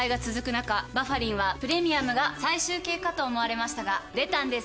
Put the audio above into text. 中「バファリン」はプレミアムが最終形かと思われましたが出たんです